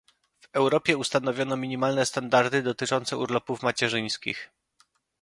W Europie ustanowiono minimalne standardy dotyczące urlopów macierzyńskich